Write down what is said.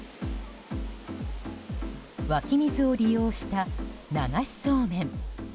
湧き水を利用した流しそうめん。